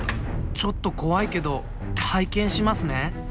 ちょっと怖いけど拝見しますね。